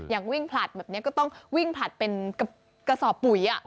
อย่างวิ่งผลัดแบบนี้ก็ต้องวิ่งผลัดเป็นกระสอบปุ๋ย